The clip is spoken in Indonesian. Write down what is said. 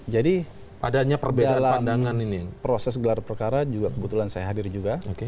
jadi dalam proses gelar perkara kebetulan saya hadir juga